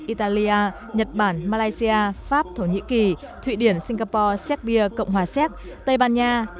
italia nhật bản malaysia pháp thổ nhĩ kỳ thụy điển singapore serbia cộng hòa séc tây ban nha